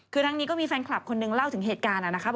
คือทั้งนี้ก็มีแฟนคลับคนนึงเล่าถึงเหตุการณ์นะครับ